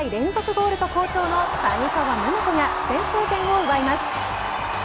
ゴールと好調の谷川萌々子が先制点を奪います。